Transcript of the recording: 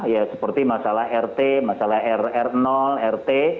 ya seperti masalah rt masalah rr rt